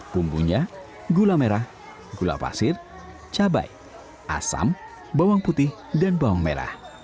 bumbunya gula merah gula pasir cabai asam bawang putih dan bawang merah